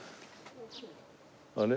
「あれ？」